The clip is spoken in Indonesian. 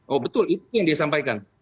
oh betul itu yang disampaikan